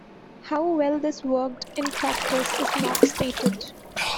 How well this worked in practice is not stated.